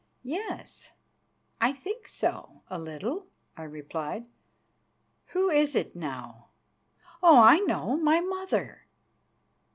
"Yes, I think so, a little," I replied. "Who is it, now? Oh! I know, my mother."